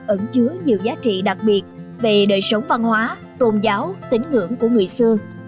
ẩn chứa nhiều giá trị đặc biệt về đời sống văn hóa tôn giáo tính ngưỡng của người xưa